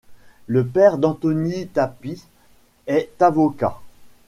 Le père d'Antoni Tàpies est avocat.